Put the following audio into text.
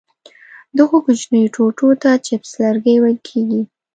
دغو کوچنیو ټوټو ته چپس لرګي ویل کېږي.